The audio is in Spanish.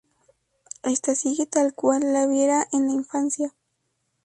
Ésta sigue tal cual la viera en la infancia.